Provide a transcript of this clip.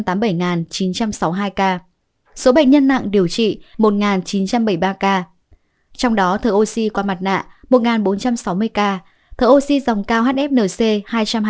số bệnh nhân nặng điều trị một chín trăm bảy mươi ba ca trong đó thở oxy qua mặt nạ một bốn trăm sáu mươi ca thở oxy dòng cao hfnc hai trăm hai mươi